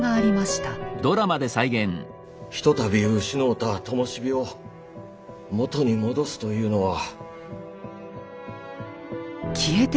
一たび失うたともし火を元に戻すというのは。